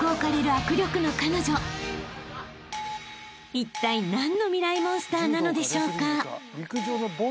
［いったい何のミライ☆モンスターなのでしょうか？］